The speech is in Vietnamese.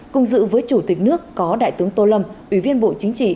cùng dự với chủ tịch nước có đại tướng tô lâm ủy viên bộ chính trị